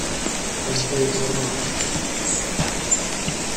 Anda ay yeẓra aqcic-nni?